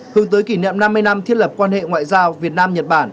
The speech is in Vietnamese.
hướng tới kỷ niệm năm mươi năm thiết lập quan hệ ngoại giao việt nam nhật bản